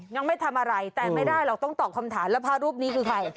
ยังไม่ทำอะไรแต่ไม่ได้หรอกต้องตอบคำถามแล้วพระรูปนี้คือใคร